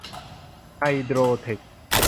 ไฮโดรเท็ค